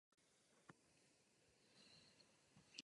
Jednotlivá zastavení jsou rozmístěna na půdorysu podkovy.